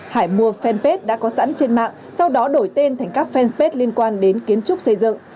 hải mua fanpage đã có sẵn trên mạng sau đó đổi tên thành các fanpage liên quan đến kiến trúc xây dựng